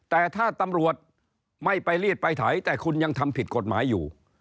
แต่ถ้าตำรวจไม่ไปรีดไปไถแต่คุณยังทำผิดกฎหมายอยู่